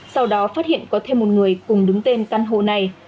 sau đó phát hiện có thêm một người cùng đứng tên căn hộ này